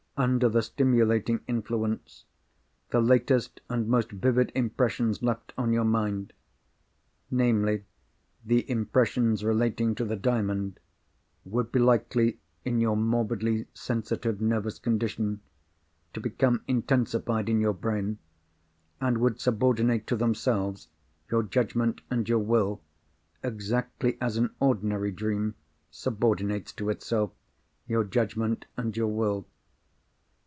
Under the stimulating influence, the latest and most vivid impressions left on your mind—namely, the impressions relating to the Diamond—would be likely, in your morbidly sensitive nervous condition, to become intensified in your brain, and would subordinate to themselves your judgment and your will exactly as an ordinary dream subordinates to itself your judgment and your will.